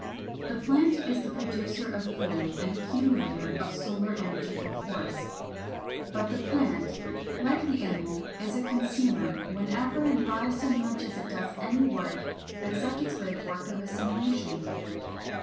The plant is the producer of food and accumulator of solar energy or force. But the plant, like the animal, is a consumer whenever and by so much as it does any work except its great work of assimilation.